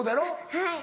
はい。